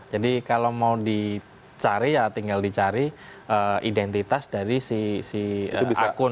jadi kalau mau dicari ya tinggal dicari identitas dari si akun